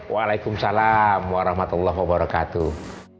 waalaikumsalam warahmatullah wabarakatuh